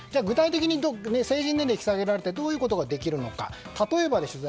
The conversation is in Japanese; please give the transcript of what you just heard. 具体的に成人年齢が引き下げられてどういうことができるのか。